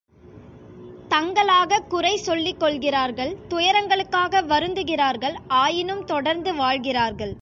தங்களாகக் குறை சொல்லிக் கொள்கிறார்கள் துயரங்களுக்காக வருந்துகிறார்கள் ஆயினும் தொடர்ந்து வாழ்கிறார்கள்!